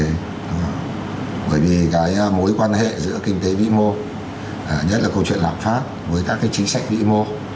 thì cái mối quan hệ giữa kinh tế bị mộ nhất là câu chuyện lạc pháp với các cái chính sách bị mộ